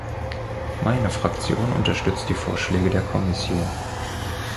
Meine Fraktion unterstützt die Vorschläge der Kommission.